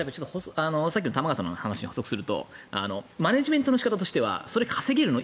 さっきの玉川さんの話に補足をするとマネジメントの仕方としてはそれ稼げるの？